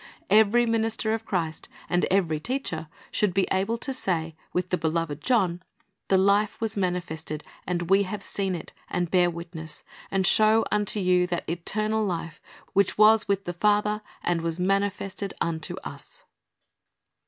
"^ Every minister of Christ and every teacher should be able to say with the beloved John, "The life was manifested, and we have seen it, and bear witness, and show unto you that eternal life which was with the Father, and was manifested unto us."